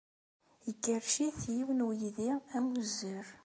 Ikerrec-it yiwen n uydi amuzzer.